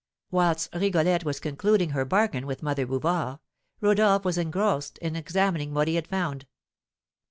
Whilst Rigolette was concluding her bargain with Mother Bouvard, Rodolph was engrossed in examining what he had found.